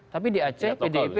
tapi di aceh pdip